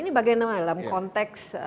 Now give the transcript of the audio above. ini bagaimana dalam konteks